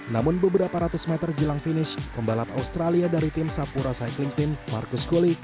namun beberapa ratus meter jelang finish pembalap australia dari tim sapura cycling team marcus culi